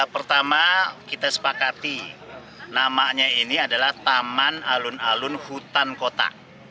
pertama kita sepakati namanya ini adalah taman alun alun hutan kota